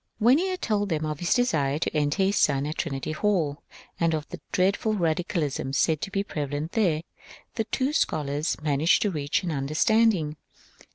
When he had told them of his desire to enter his son at Trinity Hall, and of the dreadful radicalism said to be prevalent there, the two scholars managed to reach an understanding.